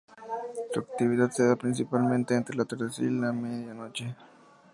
Su actividad se da principalmente entre el atardecer y la medianoche.